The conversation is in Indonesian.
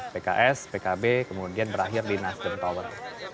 pks pkb kemudian berakhir di nasdem tower